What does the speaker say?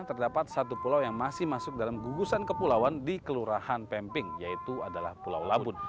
terdapat satu pulau yang masih masuk dalam gugusan kepulauan di kelurahan pemping yaitu adalah pulau labun